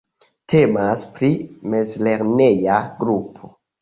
Temas pri mezlerneja grupo.